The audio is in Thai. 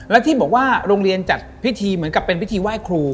แล้วที่บอกว่าโรงเรียนจัดพิธีเหมือนกับเป็นพิธีไหว้ครู